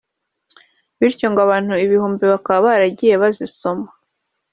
bityo ngo abantu ibihumbi bakaba baragiye bazisoma